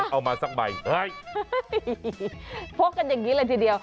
มาสักใบเฮ้ยพกกันอย่างนี้เลยทีเดียว